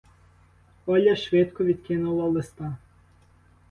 Оля швидко відкинула листа.